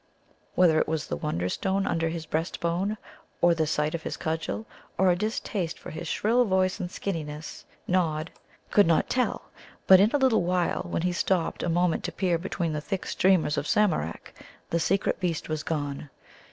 Whether it was the Wonderstone under his breast bone, on the sight of his cudgel, or a distaste for his shrill voice and skinniness, Nod could not tell, but in a little while, when he stopped a moment to peer between the thick streamers of Samarak, the secret beast was gone.